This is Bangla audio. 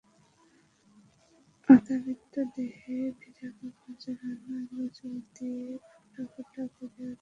অর্ধাবৃত দেহে ভিজা কাপড় জড়ানো, এলোচুল দিয়া ফোঁটা ফোঁটা করিয়া জল পড়িতেছে।